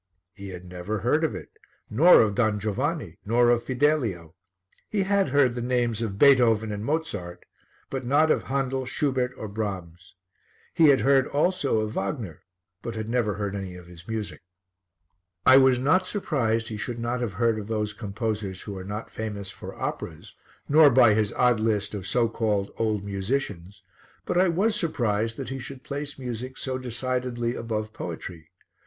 He had never heard of it, nor of Don Giovanni, nor of Fidelio. He had heard the names of Beethoven and Mozart, but not of Handel, Schubert or Brahms. He had heard also of Wagner, but had never heard any of his music. I was not surprised he should not have heard of those composers who are not famous for operas, nor by his odd list of so called old musicians, but I was surprised that he should place music so decidedly above poetry.